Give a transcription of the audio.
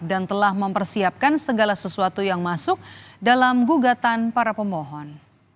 dan telah mempersiapkan segala sesuatu yang masuk dalam gugatan para pemohon